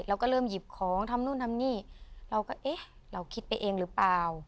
เราก็เริ่มหยิบของทำนู่นทำนี่เราก็เอ๊ะเราคิดไปเองหรือเปล่า